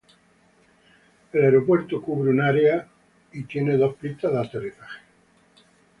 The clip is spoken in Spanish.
El aeropuerto cubre un área de y tiene dos pistas de aterrizaje.